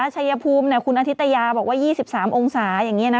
ชัยภูมิคุณอธิตยาบอกว่า๒๓องศาอย่างนี้นะ